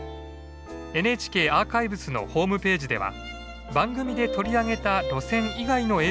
ＮＨＫアーカイブスのホームページでは番組で取り上げた路線以外の映像もご覧頂けます。